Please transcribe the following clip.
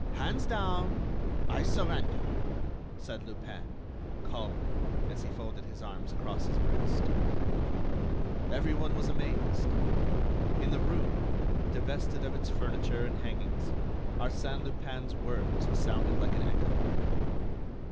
"Hands down! I surrender!" said Lupin, calmly; and he folded his arms across his breast. Everyone was amazed. In the room, divested of its furniture and hangings, Arsène Lupin's words sounded like an echo....